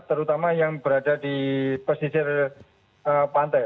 terutama yang berada di pesisir pantai